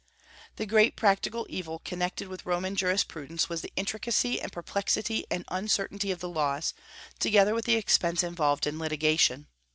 The great practical evil connected with Roman jurisprudence was the intricacy and perplexity and uncertainty of the laws, together with the expense involved in litigation.